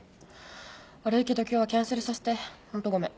悪いけど今日はキャンセルさしてホントごめん。